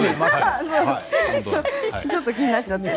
ちょっと気になっちゃって。